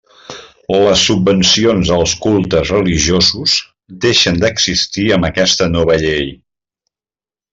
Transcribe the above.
Les subvencions als cultes religiosos deixen d'existir amb aquesta nova llei.